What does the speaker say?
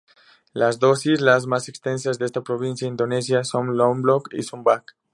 Las dos islas más extensas de esta provincia indonesia son Lombok y Sumbawa.